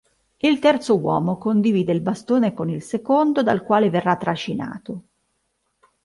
Il terzo uomo condivide il bastone con il secondo, dal quale verrà trascinato.